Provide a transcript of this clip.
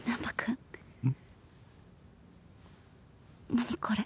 何これ？